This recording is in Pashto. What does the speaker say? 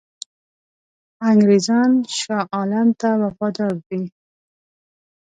انګرېزان شاه عالم ته وفادار دي.